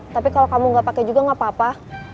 tapi kalau kamu gak pake juga gak apa apa